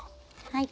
はい。